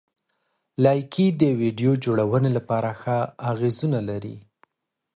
لایکي د ویډیو جوړونې لپاره ښه اغېزونه لري.